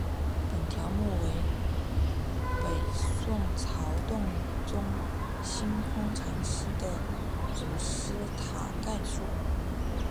本条目为北宋曹洞宗心空禅师的祖师塔概述。